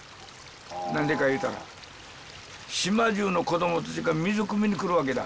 何でか言うたら島中の子供たちが水くみに来るわけだ。